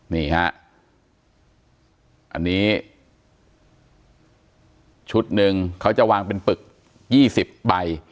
นี่ฮะอันนี้ชุดหนึ่งเขาจะวางเป็นปึก๒๐ใบ